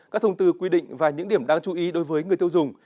các thông tư quy định và những điểm đáng chú ý đối với người tiêu dùng